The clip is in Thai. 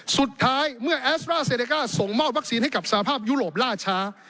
สุดท้ายเมื่อแอสตราเซเดก้าส่งมอบวัคซีนให้กับสภาพยุโรปล่าช้า